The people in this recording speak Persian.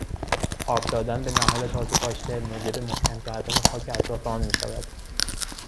آب دادن به نهال تازه کاشته موجب محکم کردن خاک اطراف آن میشود.